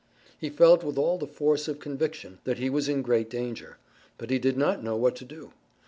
He felt with all the force of conviction that he was in great danger, but he did not know what to do.